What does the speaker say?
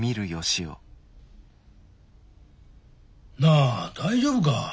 なあ大丈夫か？